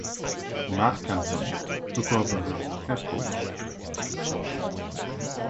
Nat Canson took over as head coach.